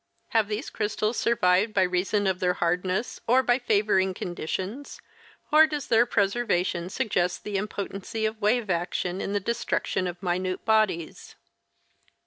Have these crystals survived by reason of their hardness or by favoring conditions, or does their preservation suggest the impotency of wave action in the destruction of minute bodies